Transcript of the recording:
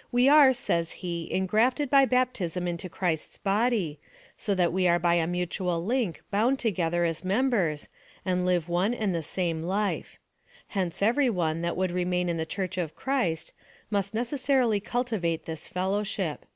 " We are,'' says he, " engrafted by baptism into Christ's body, so that we are by a mutual link bound together as members, and live one and the same life. Hence every one, that would remain in the Church of Christ, must necessarily cul tivate this fellowship."